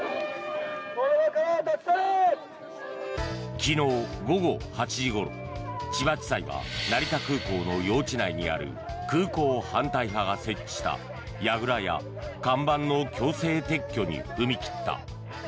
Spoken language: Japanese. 昨日午後８時ごろ、千葉地裁は成田空港の用地内にある空港反対派が設置したやぐらや看板の強制撤去に踏み切った。